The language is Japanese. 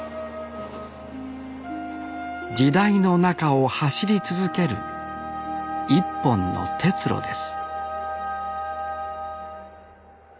時代の中を走り続ける一本の鉄路です